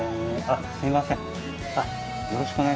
あっすいません。